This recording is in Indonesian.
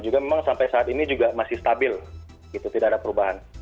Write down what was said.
juga memang sampai saat ini juga masih stabil tidak ada perubahan